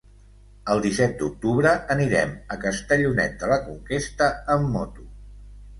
El disset d'octubre anirem a Castellonet de la Conquesta amb moto.